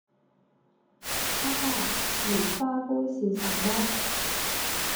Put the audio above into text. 哈哈！蓮花杯是什麼？